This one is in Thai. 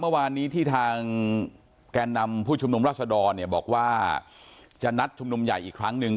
เมื่อวานนี้ที่ทางแกนนำผู้ชุมนุมราชดรเนี่ยบอกว่าจะนัดชุมนุมใหญ่อีกครั้งหนึ่ง